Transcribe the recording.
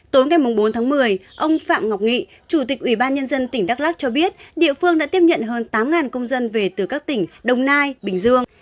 tối ngày bốn tháng một mươi ông phạm ngọc nghị chủ tịch ủy ban nhân dân tỉnh đắk lắc cho biết địa phương đã tiếp nhận hơn tám công dân về từ các tỉnh đồng nai bình dương